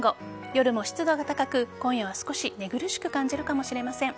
夜も湿度が高く今夜は少し寝苦しく感じるかもしれません。